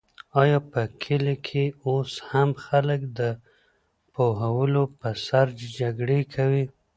آیا په کلي کې اوس هم خلک د پولو په سر جګړې کوي؟